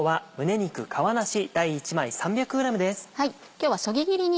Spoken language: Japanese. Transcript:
今日はそぎ切りに。